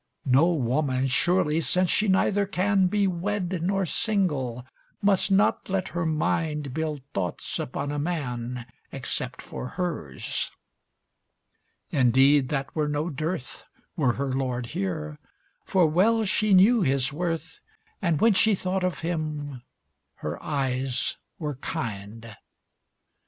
No woman surely, since she neither can Be wed nor single, must not let her mind Build thoughts upon a man Except for hers. Indeed that were no dearth Were her Lord here, for well she knew his worth, And when she thought of him her eyes were kind.